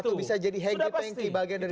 atau bisa jadi henge pengki bagian dari bargaining